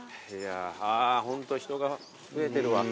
ホント人が増えてるわ。